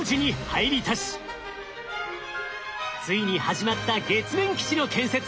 ついに始まった月面基地の建設。